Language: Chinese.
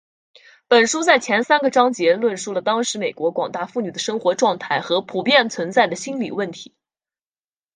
本书在前三个章节论述了当时美国广大妇女的生活状态和普遍存在的心理问题。